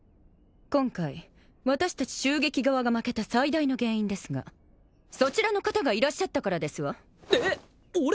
今回私達襲撃側が負けた最大の原因ですがそちらの方がいらっしゃったからですわえっ俺？